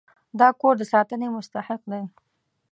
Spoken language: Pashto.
دا کور د ساتنې مستحق دی.